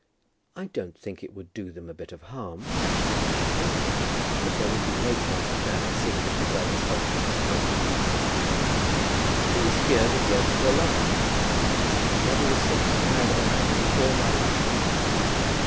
"I don't think it would do them a bit of harm," said Mrs. Grantly. "But there would be no chance of that, seeing that Griselda's husband never comes to us." "He was here the year before last." "And I never was so tired of a man in all my life."